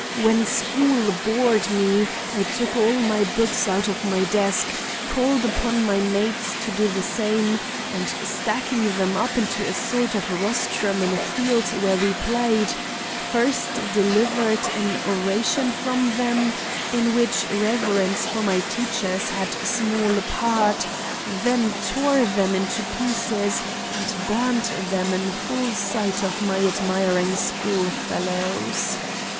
When school bored me, I took all my books out of my desk, called upon my mates to do the same, and, stacking them up into a sort of rostrum in a field where we played, first delivered an oration from them in which reverence for my teachers had small part, then tore them into pieces and burned them in full sight of my admiring school fellows.